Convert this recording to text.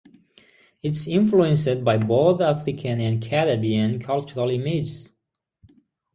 It is influenced by both African and Caribbean cultural images.